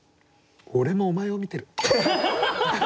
俺もお前を見てる。